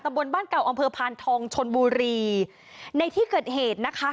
บนบ้านเก่าอำเภอพานทองชนบุรีในที่เกิดเหตุนะคะ